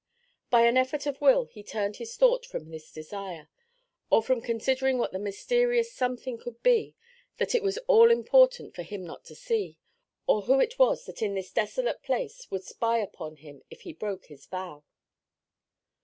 By an effort of will he turned his thought from this desire, or from considering what the mysterious something could be that it was all important for him not to see, or who it was that in this desolate place would spy upon him if he broke his vow.